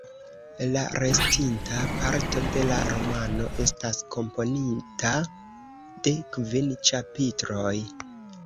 La restinta parto de la romano estas komponita de kvin ĉapitroj.